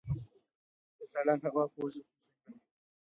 د سالنګ هوا په اوړي کې څنګه وي؟